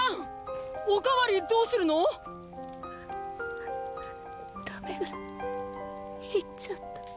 おかわりどうするの⁉ダメだ行っちゃった。